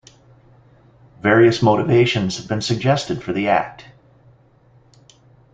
Various motivations have been suggested for the Act.